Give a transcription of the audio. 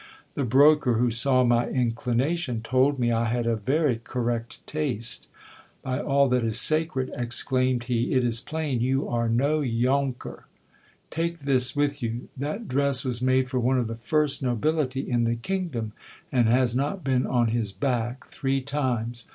The broker, who saw my inclination, told me I had a very correct taste. By all that is sacred ! exclaimed he, it is plain you are no younker. Take this with you ! That dress was made for one of the first nobility in the kingdom, and has not been on his back three times.